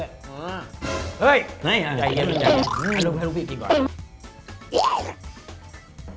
เอ้อเฮ้ยให้ลูกพี่กินก่อน